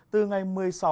từ ngày một mươi sáu